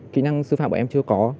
kỹ năng sư phạm bọn em chưa có